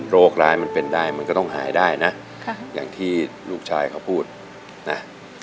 โรคร้ายมันเป็นได้มันก็ต้องหายได้นะอย่างที่ลูกชายเขาพูดนะ